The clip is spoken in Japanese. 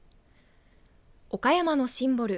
岡山のシンボル